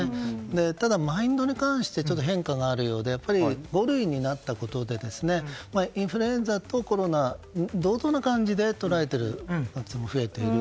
ただ、マインドに関して変化があるようでやっぱり５類になったことでインフルエンザとコロナ同等な感じで捉えていることも増えている。